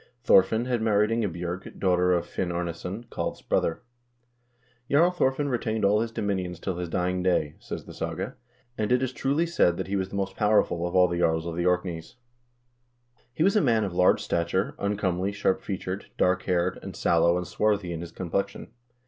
Thorfinn had married Inge bj0rg, daughter of Finn Arnesson, Kalv's brother. "Jarl Thorfinn retained all his dominions till his dying day," says the saga, "and it is truly said that he was the most powerful of all the jarls of the Orkneys." 2 "He was a man of large stature, uncomely, sharp featured, dark haired, and sallow and swarthy in his complexion.